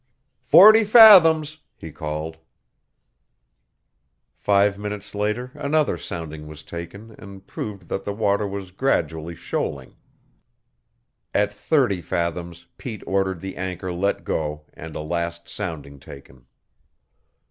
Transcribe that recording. "Forty fathoms!" he called. Five minutes later another sounding was taken and proved that the water was gradually shoaling. At thirty fathoms Pete ordered the anchor let go and a last sounding taken.